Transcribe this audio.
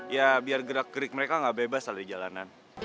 ya biar gerak gerik mereka nggak bebas lah di jalanan